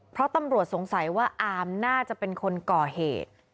เพราะตำรวจสงสัยว่าอามน่าจะเป็นคนก่อเหตุ